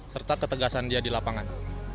serta ketegasan dia di lapangan